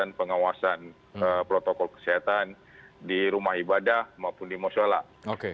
ada pengetahuan pengawasan protokol kesehatan di rumah ibadah maupun di masyarakat